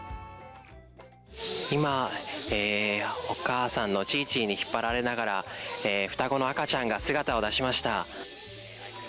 今、お母さんのチィチィに引っ張られながら、双子の赤ちゃんが姿を出しました。